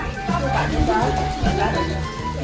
kampung nastar jalan merpati satu dan dua kota tangerang banten